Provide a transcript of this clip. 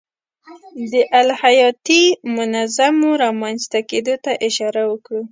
د الهیاتي منظومو رامنځته کېدو ته اشاره وکړو.